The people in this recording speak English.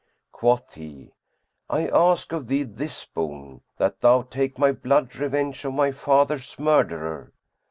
Quoth he, "I ask of thee this boon, that thou take my blood revenge on my father's murderer."